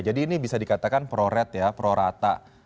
jadi ini bisa dikatakan pro rate ya pro rata